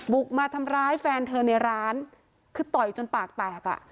บุกมาทำร้ายแฟนเธอในร้านคือต่อยจนปากแตกอ่ะ